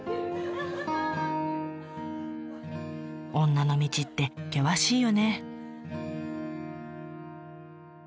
女の道って険しいよね。